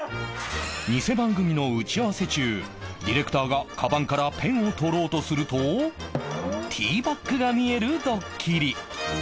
ニセ番組の打ち合わせ中ディレクターがカバンからペンを取ろうとすると Ｔ バックが見えるドッキリ